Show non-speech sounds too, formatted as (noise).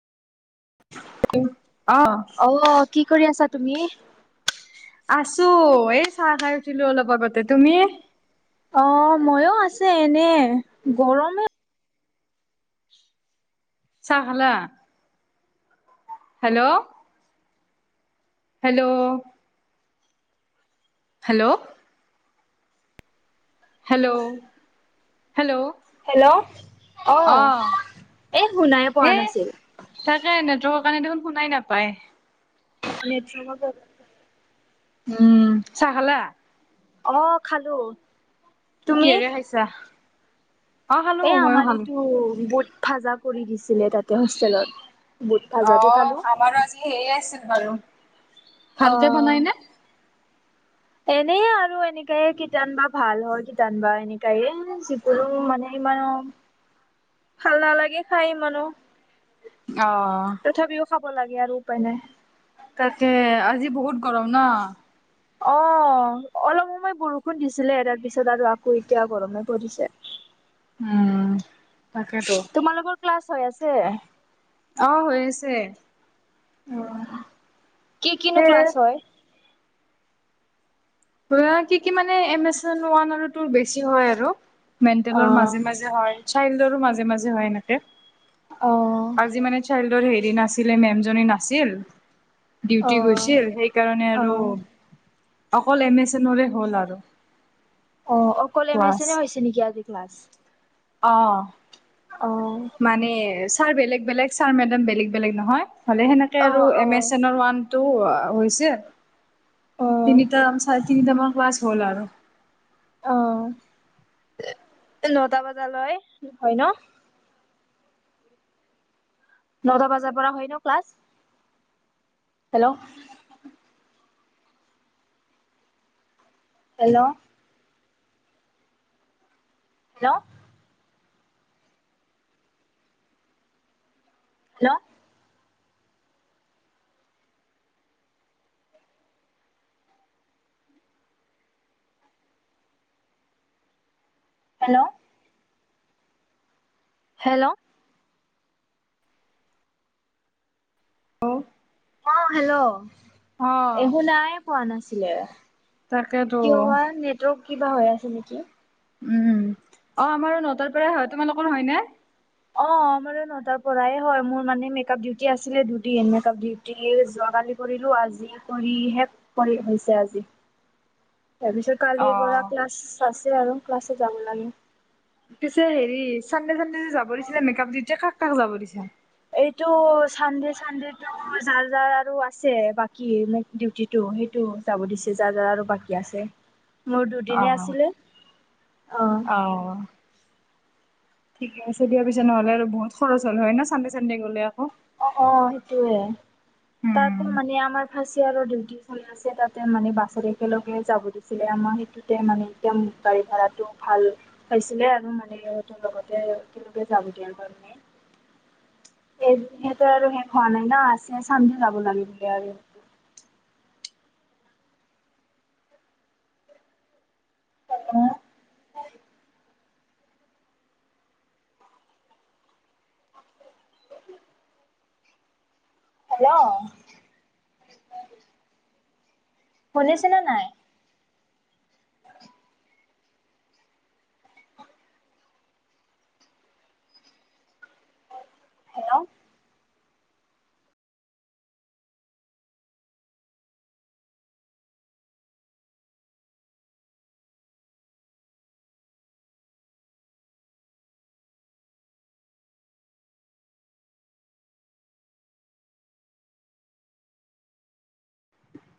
অ' কি কৰি আছা তুমি? আছো এই চাহ খাই উঠিলো অলপ আগতে, তুমি? অ', মইও আছে এনে গৰমে চাহ খালা? Hello. Hello. Hello. Hello hello hello অ'। এ শুনাই পোৱা এ নাছিল তাকে নেটৰ কাৰণে দেখোন শুনাই নাপায়। নেটৱৰ্কৰ প্ৰবলেম উম, চাহ খালা? অ', খালো তুমি? কিহেৰে খাইছা? অ খালো এ ময়ো আমাৰ খালো এইটো বুট ভাজা কৰি দিছিলে তাতে হোষ্টেলত। বুট ভাজা দি অ', খালো। আমাৰো আজি সেইয়ে আছিল বাৰু, ভালকে বনাই নে? এনে আৰু এনেকে কিটান বা ভাল হয় কিটান বা এনেকায়ে যিবোৰো মানে। মান ভাল নালাগে খাই ইমানো। আহ। দিবলাগে আৰু উপায় নাই। তাকে আজি বহুত গৰম ন'। অ'। অ', অলপ সময় বৰষুণ দিছিলে এৰাৰ পিছত আৰু আকৌ এতিয়া গৰমে পৰিছে। উম তাকেইেতো। তোমালোকৰ ক্লাছ হৈ আছে? অ', হৈ আছে। কি কি সেই ক্লাছ হয় আছে? কি কি মানে এম এছন ওৱান আৰু টুৰ বেছি হয় আৰু। অ মেণ্টেলৰ মাজে মাজে হয় চাইল্ডৰো মাজে মাজে হয় এনেকে। অ আজি মানে চাইল্ডৰ হেৰি নাছিলে মেম জনী নাছিল অ ডিউটি গৈছিল সেইকাৰণে অ আৰু কল এম এছ এনৰে হ'ল আৰু। অ', অকল এম এছ ক্লাছ এনে হৈছে নেকি আজি ক্লাছ? অ'। অ মানে ছাৰ বেলেগ বেলেগ ছাৰ মেডাম বেলেগ বেলেগ নহয়। হ'লে সেনেকে অ আৰু অ এমেজনৰ ওৱান টু হৈছে। অ তিনিতা চাৰে তিনি তা মান ক্লাছ হ'ল আৰু। অ', নটা বজালৈ হয় ন'? নটা বজাৰ পৰা হয় ন' class? Hello. Hello! Hello! Hello! Hello! Hello! অ'। অ' হেল্ল' এই শুনাই পোৱা নাছিলে। তাকেতো কিয় বা নেটৱৰ্ক কিবা হৈ আছে নেকি? উম অ' আমাৰ নটাৰ পৰাই হয় তোমালোকৰ হয় নে? অ' আমাৰো নটাৰ পৰাই হয় মোৰ মানে মেকআপ ডিউটি আছিলে দুদিন মেকআপ ডিউটি শেষ যোৱাকালি কৰিলো আজি কৰিহে কৰি হৈছে আজি। তাৰ পিছত কালিৰ পৰা অ' ক্লাছ আছে আৰু ক্লাছ যাব লাগে। পিছে হেৰি চান্ডে চান্ডে যে যাব দিছিলে মেকআপ যেতিয়া কাক কাক যাব দিছে? এইটো চানডে চানডে টো যাৰ যাৰ আৰু আছে বাকী মেকাপ ডিউটি টো সেইটো যাব দিছে যাৰ যাৰ আৰু বাকী আছে। মোৰ দুদিনে অ' আছিলে অ' ঠিকে আছে দিয়া পিছে নহলে আৰু বহুত খৰচ হ'ল হয় ন চানডে চানডে গ'লে আকৌ। অ' অ' সেইটোয়ে তাৰ উম। মানে আমাৰ ফাষ্ট ইয়েৰ ডিউটি চব আছে তাতে মানে বাছত একেলগে যাব দিছিলে আমাৰ সেইটোতে মানে এতিয়া ম গাড়ী ভাড়াটো ভাল হৈছিলে আৰু মানে সিহঁতৰ লগতে তেনেকৈ যাব দিয়াৰ কাৰণে (inaudible) সিহতৰ আৰু শেষ হোৱা নাই না আছে চানদে যাব লাগে আৰু। (inaudible) হেল্ল' শুনিছেনে নাই? হেল্ল' (inaudible)